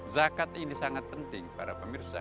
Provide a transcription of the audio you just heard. zakat ini sangat penting para pemirsa